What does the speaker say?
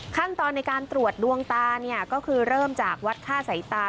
ขั้นตอนในการตรวจดวงตาเนี่ยก็คือเริ่มจากวัดค่าสายตา